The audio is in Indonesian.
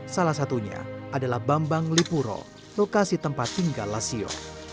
salah satunya adalah bambang lipuro lokasi tempat tinggal lasio